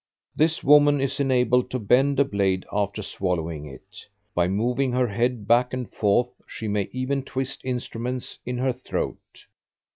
This woman is enabled to bend a blade after swallowing it. By moving her head back and forth she may even twist instruments in her throat.